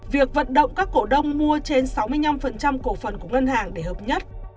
việc vận động các cổ đông mua trên sáu mươi năm cổ phần của ngân hàng để hợp nhất